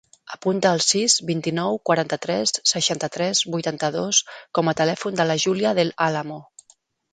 Apunta el sis, vint-i-nou, quaranta-tres, seixanta-tres, vuitanta-dos com a telèfon de la Júlia Del Alamo.